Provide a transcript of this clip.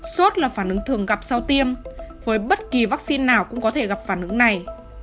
sốt là phản ứng thường gặp sau tiêm với bất kỳ vaccine nào cũng có thể gặp phản ứng này